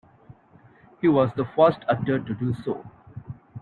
He was the first actor to do so.